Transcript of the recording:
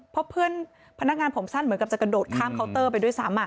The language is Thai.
เพราะเพื่อนพนักงานผมสั้นเหมือนกับจะกระโดดข้ามเคาน์เตอร์ไปด้วยซ้ำ